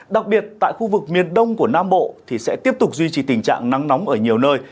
đặc biệt tại khu vực miền đông của nam bộ thì sẽ tiếp tục duy trì tình trạng nắng nóng ở nhiều nơi